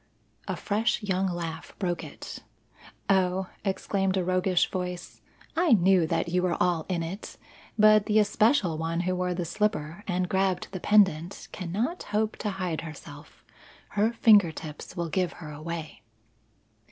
A fresh young laugh broke it. "Oh," exclaimed a roguish voice, "I knew that you were all in it! But the especial one who wore the slipper and grabbed the pendant cannot hope to hide herself. Her finger tips will give her away."